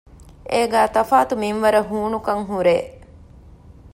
އޭގައި ތަފާތު މިންވަރަށް ހޫނުކަން ހުރޭ